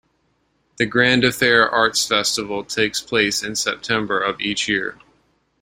The Grand Affair Arts Festival takes place in September of each year.